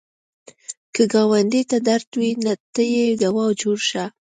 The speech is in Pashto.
که ګاونډي ته درد وي، ته یې دوا جوړ شه